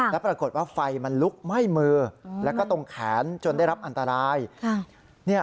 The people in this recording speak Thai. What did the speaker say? แล้วปรากฏว่าไฟมันลุกไหม้มือแล้วก็ตรงแขนจนได้รับอันตราย